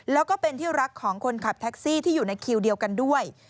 แล้วก็เป็นที่รักของคนขับแท็กซี่ที่อยู่ในคิวเดียวกันด้วย